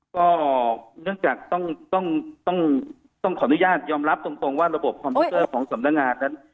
ก็เนื่องจากต้องขออนุญาตยอมรับตรงว่าระบบคอมพิวเตอร์ของสำนักงานนั้น